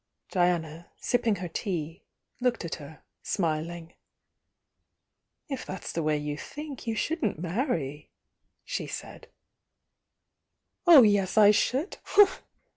Diana, sipping her tea, looked at her, smilin;;. "If that's the way you think, you shouldn't marry," she said. "Oh yes, I should!"